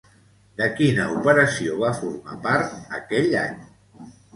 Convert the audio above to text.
De quina operació va formar part, aquell any?